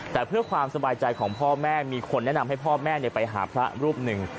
แต่เพื่อความสบายใจของพ่อแม่มีคนแนะนำให้พ่อแม่ไปหาพระรูปหนึ่ง